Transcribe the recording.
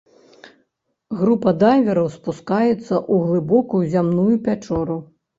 Група дайвераў спускаецца ў глыбокую зямную пячору.